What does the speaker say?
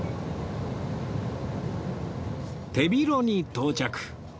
手広に到着